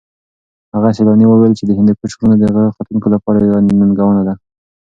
هغه سېلاني وویل چې د هندوکش غرونه د غره ختونکو لپاره یوه ننګونه ده.